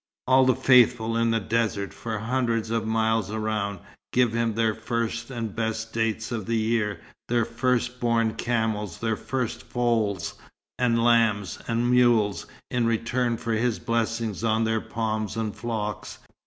All the Faithful in the desert, for hundreds of miles around, give him their first and best dates of the year, their first born camels, their first foals, and lambs, and mules, in return for his blessing on their palms and flocks.